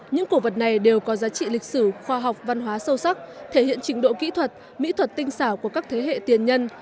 những cổ vật này đều có giá trị lịch sử khoa học văn hóa sâu sắc thể hiện trình độ kỹ thuật mỹ thuật tinh xảo của các thế hệ tiền nhân